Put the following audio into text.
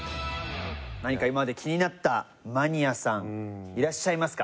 何か今まで気になったマニアさんいらっしゃいますか？